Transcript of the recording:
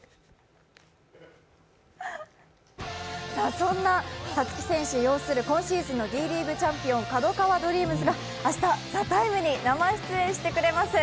そんな颯希選手擁する今シーズンのチャンピオン、ＫＡＤＯＫＡＷＡＤＲＥＡＭＳが明日「ＴＨＥＴＩＭＥ，」に生出演してくれます。